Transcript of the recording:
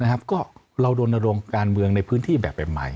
นะครับก็เราโดนระโลงการเมืองในพื้นที่แบบใหม่